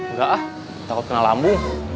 udah ah takut kena lambung